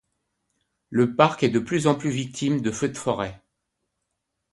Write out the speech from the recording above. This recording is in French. Le parc est de plus en plus victime de feux de forêts.